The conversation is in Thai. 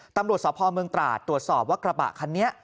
ตำรวจสพเมืองตราดตรวจสอบว่ากระบะคันนี้